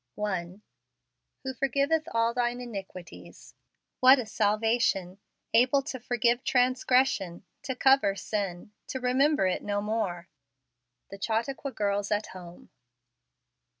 1. " Who forgiveth all thine iniquities." What a salvation! Able to forgive trans¬ gression, to cover sin, to remember it no more. The Chautauqua Girls at Home.